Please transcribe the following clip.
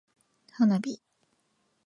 花火